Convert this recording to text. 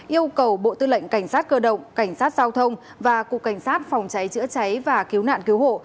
yêu cầu bộ tư lệnh cảnh sát cơ động cảnh sát giao thông và cục cảnh sát phòng cháy chữa cháy và cứu nạn cứu hộ